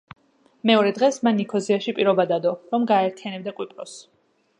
მეორე დღეს მან ნიქოზიაში პირობა დადო, რომ გააერთიანებდა კვიპროსს.